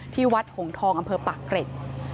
ที่วัดหงทองอ่ำเภอปักษณ์